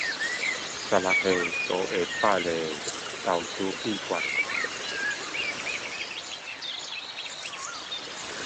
十六歲就能懂的投資祕訣